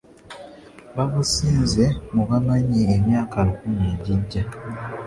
Babusinze mu baamaanyi emyaka lukumi egijja